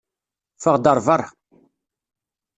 Ffeɣ-d ar beṛṛa!